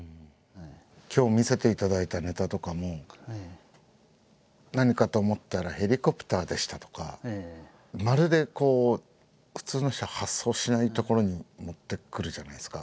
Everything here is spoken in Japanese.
今日見せていただいたネタとかも「何かと思ったらヘリコプターでした」とかまるでこう普通の人が発想しないところに持ってくるじゃないですか。